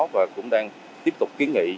và cũng đang tiếp tục kiến nghị